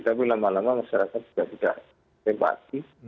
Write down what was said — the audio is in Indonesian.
tapi lama lama masyarakat juga tidak sempati